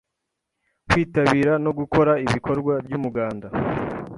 Kwitabira no gukora ibikorwa by` umuganda,